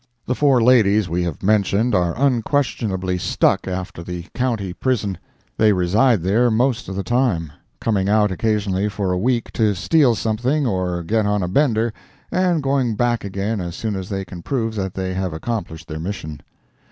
The four ladies we have mentioned are unquestionably stuck after the County Prison; they reside there most of the time, coming out occasionally for a week to steal something, or get on a bender, and going back again as soon as they can prove that they have accomplished their mission.